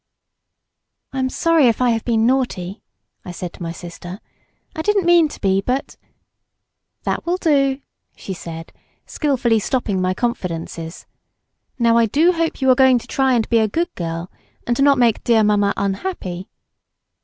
"I am sorry if I have been naughty," I said to my sister; "I didn't mean to be, but " "That will do," she said, skilfully stopping my confidences; "now I do hope you are going to try and be a good girl, and not make dear mamma unhappy."